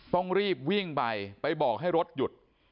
ต้องรีบวิ่งไปไปบอกให้รถหยุด